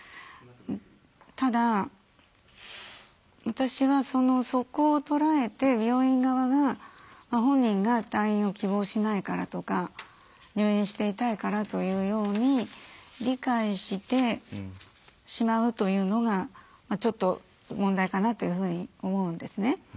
ただ私はそこを捉えて病院側が本人が退院を希望しないからとか入院していたいからというように理解してしまうというのがちょっと問題かなというふうに思うんですね。